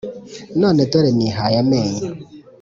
none dore nihaye amenyo